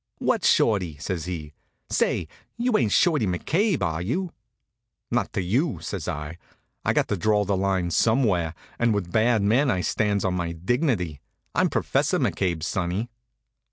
"What Shorty?" says he. "Say, you ain't Shorty McCabe, are you?" "Not to you," says I. "I got to draw the line somewhere, and with bad men I stands on my dignity. I'm Professor McCabe, sonny."